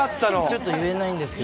ちょっと言えないんですけど。